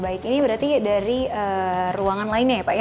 baik ini berarti dari ruangan lainnya ya pak ya